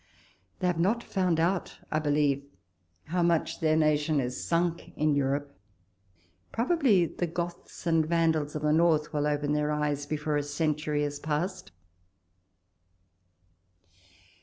They have not found out, I believe, how much 172 walpole's letters. their nation is sunk in Europe ;— probably the Goths and Vandals of the North will open their eyes before a century is past.